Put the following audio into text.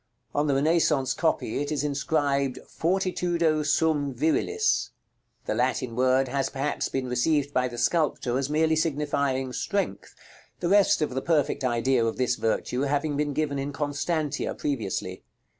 On the Renaissance copy it is inscribed "FORTITUDO SUM VIRILIS." The Latin word has, perhaps, been received by the sculptor as merely signifying "Strength," the rest of the perfect idea of this virtue having been given in "Constantia" previously.